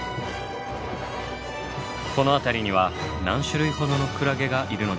この辺りには何種類ほどのクラゲがいるのでしょうか？